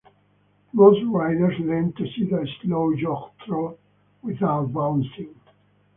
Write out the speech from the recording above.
Most riders learn to sit a slow jog trot without bouncing.